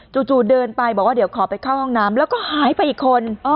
จู่เดินไปบอกว่าเดี๋ยวขอไปเข้าห้องน้ำแล้วก็หายไปอีกคน